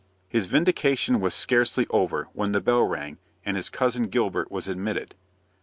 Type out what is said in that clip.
His vindication was scarcely over, when the bell rang, and his Cousin Gilbert was admitted.